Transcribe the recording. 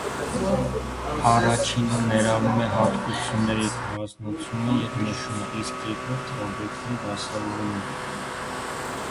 Առաջինը ներառում է հատկությունների առանձնացնումը և նշումը, իսկ երկրորդը՝ օբյեկտների դասակարգումը։